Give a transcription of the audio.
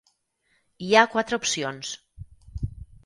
Hi ha quatre opcions.